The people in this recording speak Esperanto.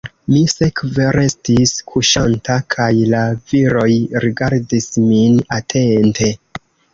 Mi sekve restis kuŝanta kaj la viroj rigardis min atente.